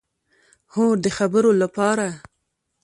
هو، د خبرو لپاره